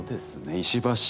石橋